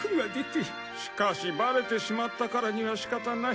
しかしバレてしまったからには仕方ない。